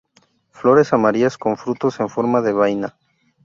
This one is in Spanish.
Flores amarillas, con frutos en forma de vaina.